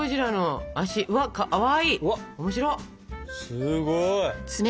すごい！